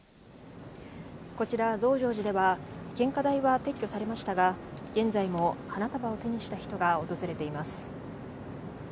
こちら、増上寺では、献花台は撤去されましたが、現在も花束を手にした人が訪れています。